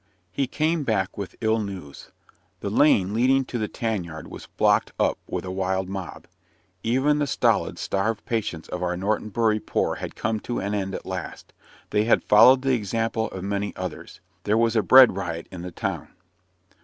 He came back with ill news. The lane leading to the tan yard was blocked up with a wild mob. Even the stolid, starved patience of our Norton Bury poor had come to an end at last they had followed the example of many others. There was a bread riot in the town.